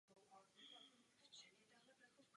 Ale to v jistém smyslu znamená zastřelit posla.